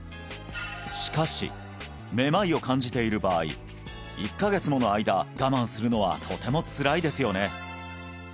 しかしめまいを感じている場合１カ月もの間我慢するのはとてもつらいですよね